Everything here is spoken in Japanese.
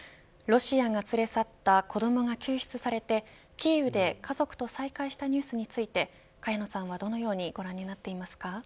ロシアが連れ去った子どもが救出されキーウで家族と再会したニュースについて萱野さんはどのようにご覧になっていますか。